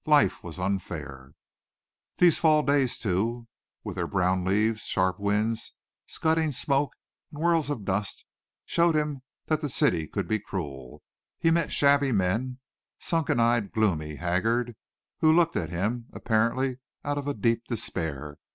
Life was unfair. These fall days, too, with their brown leaves, sharp winds, scudding smoke and whirls of dust showed him that the city could be cruel. He met shabby men, sunken eyed, gloomy, haggard, who looked at him, apparently out of a deep despair.